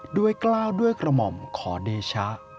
กล้าวด้วยกระหม่อมขอเดชะ